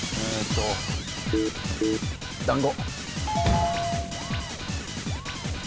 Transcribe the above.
団子。